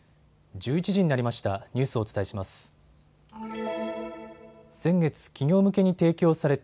１１時になりました。